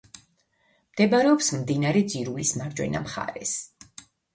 მდებარეობს მდინარე ძირულის მარჯვენა მხარეს.